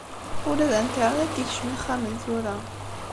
Ula d internet ikcem ixxamen tura.